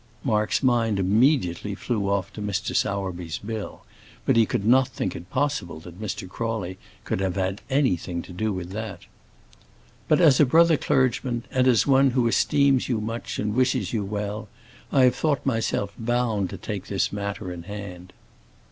Mark's mind immediately flew off to Mr. Sowerby's bill, but he could not think it possible that Mr. Crawley could have had anything to do with that. "But as a brother clergyman, and as one who esteems you much and wishes you well, I have thought myself bound to take this matter in hand."